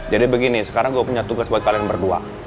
jadi begini sekarang gue punya tugas buat kalian berdua